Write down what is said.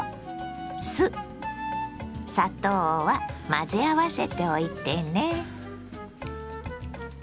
混ぜ合わせておいてね。